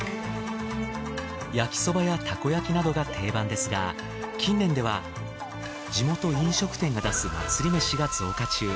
焼きそばやたこ焼きなどが定番ですが近年では地元飲食店が出す祭りめしが増加中。